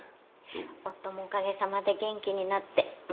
夫もおかげさまで元気になって昔みたいに。